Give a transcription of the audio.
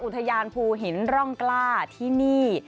อุทยานภูหินร่องกล้าที่นี่